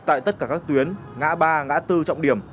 tại tất cả các tuyến ngã ba ngã tư trọng điểm